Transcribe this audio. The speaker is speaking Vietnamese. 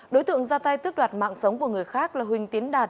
đối tượng ra tay tước đoạt mạng sống của người khác là huỳnh tiến đạt